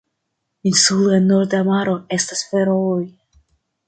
Insuloj en Norda maro estas Ferooj.